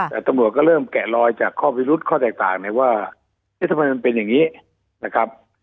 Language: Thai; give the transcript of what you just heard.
แต่ตำรวจก็เริ่มแกะลอยจากข้อพิรุษข้อแตกต่างเนี่ยว่าเอ๊ะทำไมมันเป็นอย่างนี้นะครับ